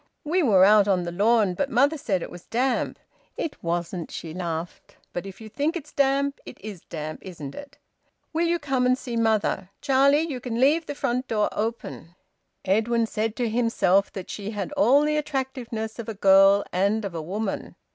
"We were out on the lawn, but mother said it was damp. It wasn't," she laughed. "But if you think it's damp, it is damp, isn't it? Will you come and see mother? Charlie, you can leave the front door open." Edwin said to himself that she had all the attractiveness of a girl and of a woman.